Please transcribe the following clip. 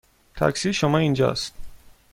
تاکسی شما اینجا است.